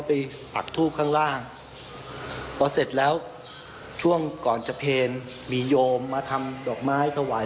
แบบด้านล่างของเราเนี่ยน้ำกลางแบบนี้